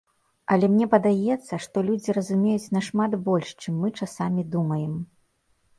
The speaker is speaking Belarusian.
Але мне падаецца, што людзі разумеюць нашмат больш, чым мы часамі думаем.